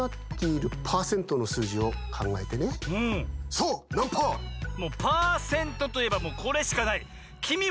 そうなんパー？もうパーセントといえばもうこれしかない。